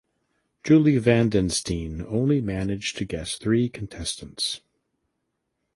Julie Van den Steen only managed to guess three contestants.